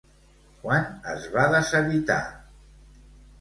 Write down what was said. Quan es va deshabitar?